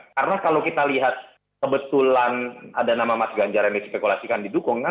karena kalau kita lihat kebetulan ada nama mas ganjar yang dispekulasikan didukung